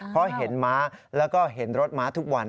เพราะเห็นม้าแล้วก็เห็นรถม้าทุกวัน